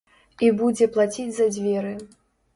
І будзе плаціць за дзверы.